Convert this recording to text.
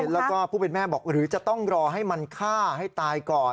แล้วก็ผู้เป็นแม่บอกหรือจะต้องรอให้มันฆ่าให้ตายก่อน